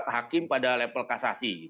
hakim pada level kasasi